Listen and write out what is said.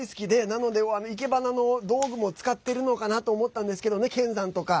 なので生け花の道具も使っているのかなと思ったんですけどね、剣山とか。